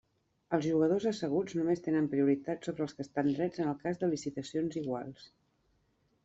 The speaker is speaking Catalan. Els jugadors asseguts només tenen prioritat sobre els que estan drets en el cas de licitacions iguals.